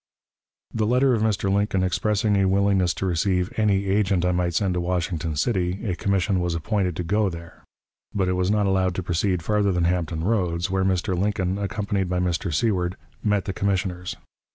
The letter of Mr. Lincoln expressing a willingness to receive any agent I might send to Washington City, a commission was appointed to go there; but it was not allowed to proceed farther than Hampton Roads, where Mr. Lincoln, accompanied by Mr. Seward, met the commissioners.